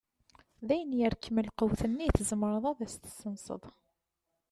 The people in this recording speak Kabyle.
Dayen yerkem lqut-nni, tzemreḍ ad as-tessenseḍ.